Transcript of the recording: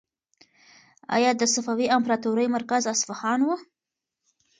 ایا د صفوي امپراطورۍ مرکز اصفهان و؟